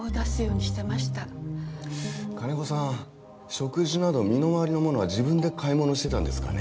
食事など身の回りのものは自分で買い物してたんですかね？